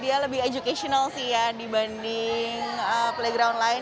dia lebih educational sih ya dibanding playground lain